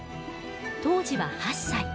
当時は８歳。